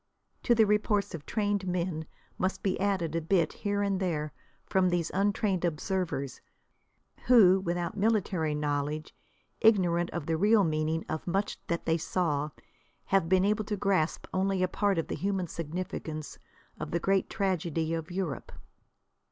To the reports of trained men must be added a bit here and there from these untrained observers, who without military knowledge, ignorant of the real meaning of much that they saw, have been able to grasp only a part of the human significance of the great tragedy of Europe.